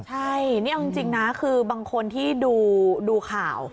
ใช่นี่เอาจริงนะคือบางคนที่ดูข่าว